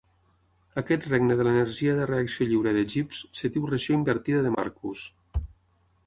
Aquest regne de l'energia de reacció lliure de Gibbs es diu "regió invertida de Marcus".